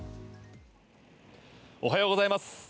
おはようございます！